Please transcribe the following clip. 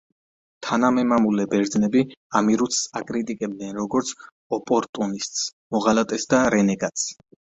თანამემამულე ბერძნები ამირუცს აკრიტიკებდნენ, როგორც ოპორტუნისტს, მოღალატეს და რენეგატს.